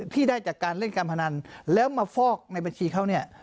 ที่ได้จากการเล่นการพนันแล้วมาฟอกในบัญชีเขาเนี่ย